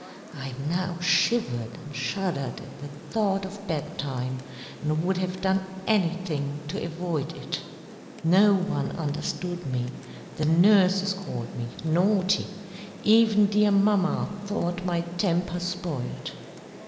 I now shivered and shuddered at the thought of bed time, and would have done anything to avoid it. No one understood me, the nurses called me "naughty"; even dear mamma thought my temper spoilt.